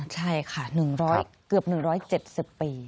ใช่ค่ะเกือบ๑๗๐ปี